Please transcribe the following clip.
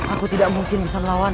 aku tidak mungkin bisa melawan